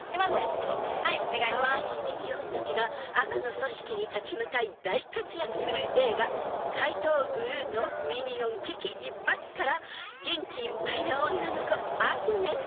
［カワイイミニオンたちが悪の組織に立ち向かい大活躍する映画『怪盗グルーのミニオン危機一発』から元気いっぱいな女の子アグネス］